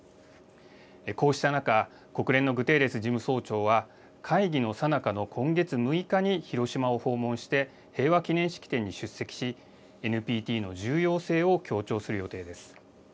こうした中、国連のグテーレス事務総長は、会議のさなかの今月６日に広島を訪問して、平和記念式典に出席し、ＮＰＴの重要性を強調する予定です。